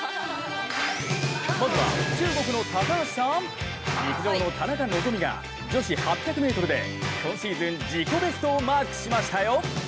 まずは中国の高橋さん、陸上の田中希実が女子８００ｍで今シーズン、自己ベストをマークしましたよ。